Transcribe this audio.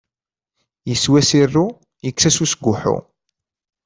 Yeswa Sirru yekkes-as usguḥḥu.